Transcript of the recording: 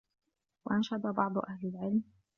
وَأَنْشَدَ بَعْضُ أَهْلِ الْعِلْمِ